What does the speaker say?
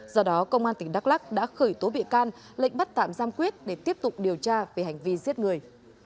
do đó công an tỉnh đắk lắc đã khởi tố bị can lệnh bắt tạm giam quyết để tiếp tục điều tra về hành vi giết người